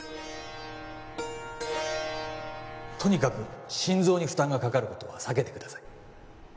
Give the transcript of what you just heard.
とにかく心臓に負担がかかることは避けてください